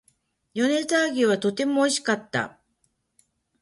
米沢牛はとても美味しかった